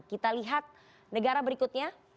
kita lihat negara berikutnya